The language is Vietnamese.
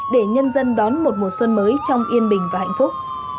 để nhân dân đón một mùa xuân mới trong yên bình và hạnh phúc